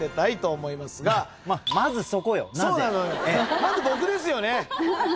まず僕ですよね？